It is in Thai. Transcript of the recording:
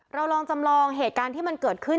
เราลองจำลองเหตุการณ์ที่มันเกิดขึ้น